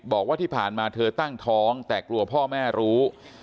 บอกว่าที่ผ่านมาเธอตั้งท้องแต่กลัวพ่อแม่รู้